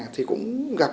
thì cũng gặp